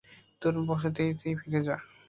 তোর বসতিতে ফিরে যা!